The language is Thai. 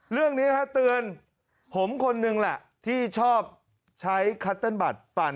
เรื่องนี้ฮะเตือนผมคนหนึ่งแหละที่ชอบใช้คัตเติ้ลบัตรปั่น